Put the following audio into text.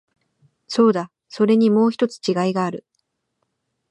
そうだ、それにもう一つ違いがある。